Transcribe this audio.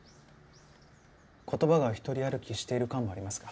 言葉が独り歩きしている感もありますが。